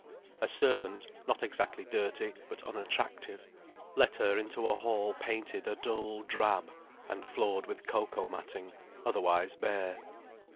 A servant, not exactly dirty, but unattractive, let her into a hall painted a dull drab, and floored with cocoa matting, otherwise bare.